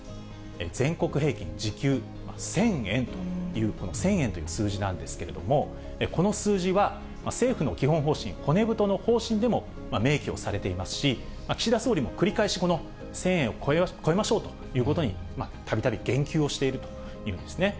全国平均時給１０００円という、この１０００円という数字なんですけれども、この数字は政府の基本方針、骨太の方針でも明記をされていますし、岸田総理も繰り返し、この１０００円を超えましょうということに、たびたび言及をしているというんですね。